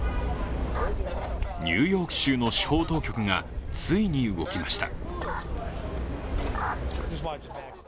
ニューヨーク州の司法当局がついに動きました。